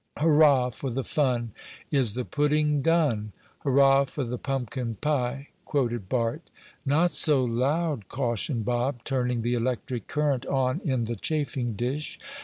"'Hurrah for the fun, is the pudding done? Hurrah for the pumpkin pie!'" quoted Bart. "Not so loud!" cautioned Bob, turning the electric current on in the chafing dish.